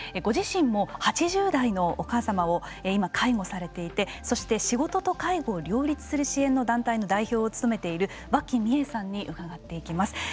ご自身も８０代のお母様を今介護されていてそして仕事と介護を両立する支援の団体の代表を務めている和氣美枝さんに伺っていきます。